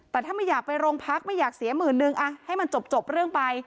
แต่ถ้าไม่อยากไปโรงพักไม่อยากเสียหมื่นนึงให้มันจบเรื่องไป